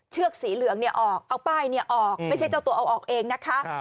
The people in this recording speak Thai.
เชือกสีเหลืองออกเอาป้ายออกไม่ใช่เจ้าตัวเอาออกเองนะคะ